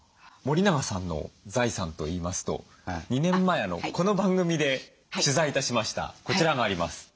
森永さんの財産といいますと２年前この番組で取材致しましたこちらがあります。